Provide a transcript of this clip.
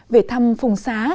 về thăm phùng xá